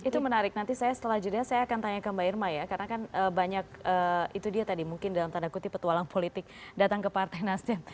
itu menarik nanti saya setelah jeda saya akan tanya ke mbak irma ya karena kan banyak itu dia tadi mungkin dalam tanda kutip petualang politik datang ke partai nasdem